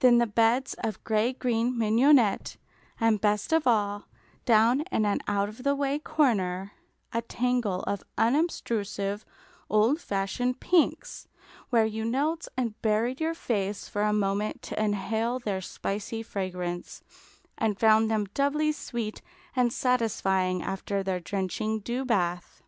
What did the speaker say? Then the beds of gray green mignonette; and best of all, down in an out of the way corner, a tangle of unobtrusive old fashioned pinks, where you knelt and buried your face for a moment to inhale their spicy fragrance, and found them doubly sweet and satisfying after their drenching dew bath.